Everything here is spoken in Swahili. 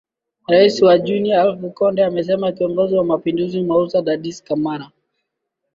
rais wa guinea alfa konde amesema kiongozi wa mapinduzi moussa dadis camara